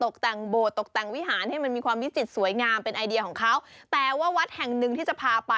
ก็เชื่อน้าว่าอร่อยคุณชนะ